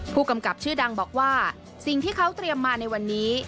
ผู้กำกับชื่อดังบอกว่าสิ่งที่เขาเตรียมมาในวันนี้